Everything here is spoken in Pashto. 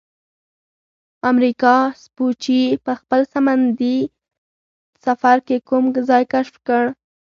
امریکا سپوچي په خپل سمندي سفر کې کوم ځای کشف کړ؟